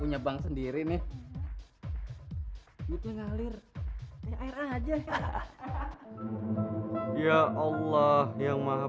yang maha pengatur